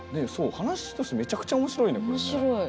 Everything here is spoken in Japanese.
話としてめちゃくちゃ面白いねこれね。